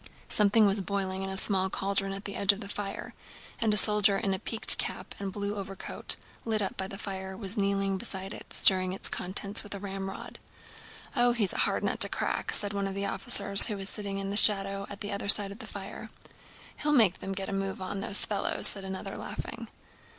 Something was boiling in a small cauldron at the edge of the fire and a soldier in a peaked cap and blue overcoat, lit up by the fire, was kneeling beside it stirring its contents with a ramrod. "Oh, he's a hard nut to crack," said one of the officers who was sitting in the shadow at the other side of the fire. "He'll make them get a move on, those fellows!" said another, laughing.